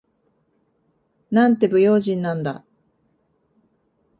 なんて不用心なんだ。